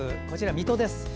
こちら水戸です。